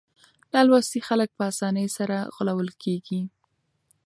نالوستي خلک په اسانۍ سره غولول کېږي.